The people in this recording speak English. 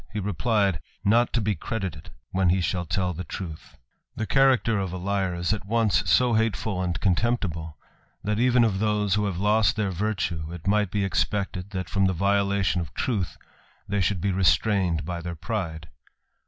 he replied, "Not to ted when he shall tell the truth." 2i6 THE ADVENTURER. The character of a liar is at once so hateful and con< temptible, that even of those who have lost their virtue might be expected that from the violation of truth th( should be restrained by their pride.